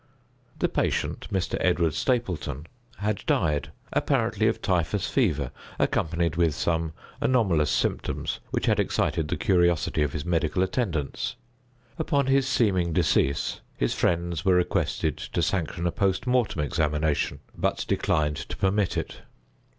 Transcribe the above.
The patient, Mr. Edward Stapleton, had died, apparently of typhus fever, accompanied with some anomalous symptoms which had excited the curiosity of his medical attendants. Upon his seeming decease, his friends were requested to sanction a post mortem examination, but declined to permit it.